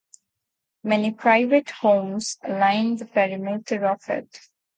Many private homes line the perimeter of it.